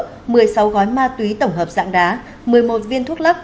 một mươi sáu gói ma túy tổng hợp dạng đá một mươi một viên thuốc lắc